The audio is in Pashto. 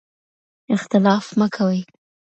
اختلاف مه کوئ.